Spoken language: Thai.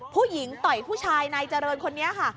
ต่อยผู้ชายนายเจริญคนนี้ค่ะ